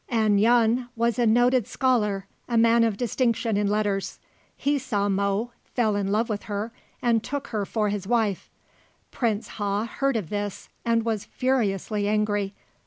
An Yun was a noted scholar, a man of distinction in letters. He saw Mo, fell in love with her and took her for his wife. Prince Ha heard of this and was furiously angry.